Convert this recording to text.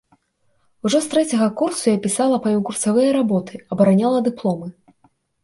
Ужо з трэцяга курсу я пісала па ім курсавыя работы, абараняла дыплом.